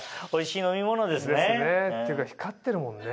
っていうか光ってるもんね